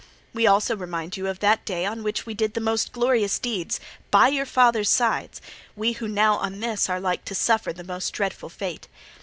We also remind you of that day on which we did the most glorious deeds, by your fathers' sides, we who now on this are like to suffer the most dreadful fate.